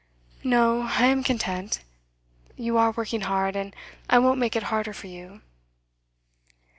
'No, I am content. You are working hard, and I won't make it harder for you.